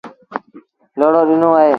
لوڙو ڏيݩوٚن اهي۔